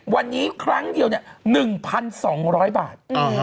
วันนี้ครั้งเดียว๑๒๐๐บาท